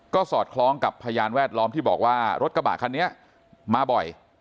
ก็สอดคล้องกับพยานแวดล้อมที่บอกว่ารถกระบะคันนี้มาบ่อย